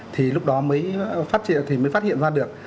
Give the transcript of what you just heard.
thì lúc đó mới phát hiện ra được